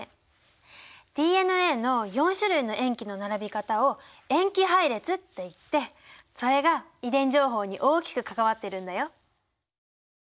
ＤＮＡの４種類の塩基の並び方を塩基配列といってそれが遺伝情報に大きく関わってるんだよ。